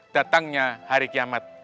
datangnya hari kiamat